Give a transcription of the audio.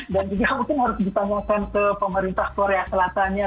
dan juga mungkin harus kita nonton ke pemerintah korea selatanya